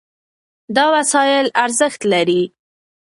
دا وسایل ارزښت لري.